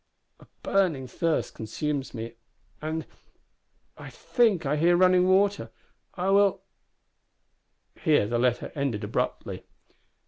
A burning thirst consumes me and I think I hear water running! I will " Here the letter ended abruptly.